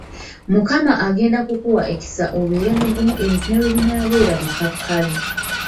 Mukama agenda kukuwa ekisa obeere mugumu ebintu ne bwe binaabeera bikakali.